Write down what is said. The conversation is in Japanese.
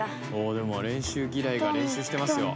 でも練習ギライが練習してますよ。